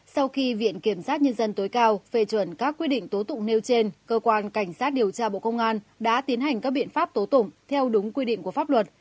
sau khi viện kiểm sát nhân dân tối cao phê chuẩn các quy định tố tụng nêu trên cơ quan cảnh sát điều tra bộ công an đã tiến hành các biện pháp tố tụng theo đúng quy định của pháp luật